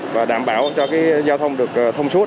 và đảm bảo cho giao thông được thông suốt